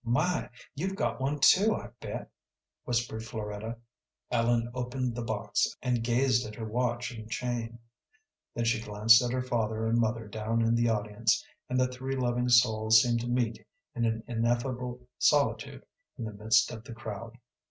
"My, you've got one too, I bet!" whispered Floretta. Ellen opened the box, and gazed at her watch and chain; then she glanced at her father and mother down in the audience, and the three loving souls seemed to meet in an ineffable solitude in the midst of the crowd.